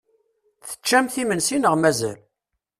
Teččamt imensi neɣ mazal?